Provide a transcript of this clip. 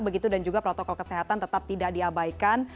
begitu dan juga protokol kesehatan tetap tidak diabaikan